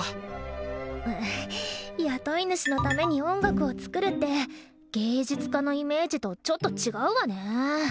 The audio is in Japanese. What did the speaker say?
雇い主のために音楽を作るって芸術家のイメージとちょっと違うわね。